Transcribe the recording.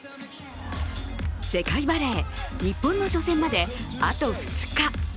世界バレー、日本の初戦まであと２日。